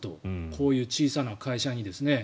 こういう小さな会社に。